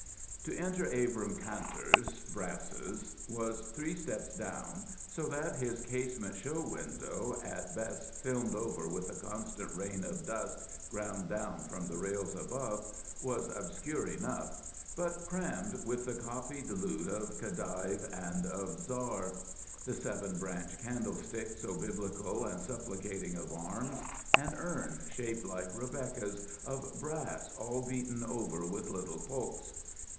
To enter Abrahm Kantor's Brasses was three steps down, so that his casement show window, at best filmed over with the constant rain of dust ground down from the rails above, was obscure enough, but crammed with the copied loot of khedive and of czar. The seven branch candlestick so Biblical and supplicating of arms. An urn, shaped like Rebecca's, of brass all beaten over with little poks.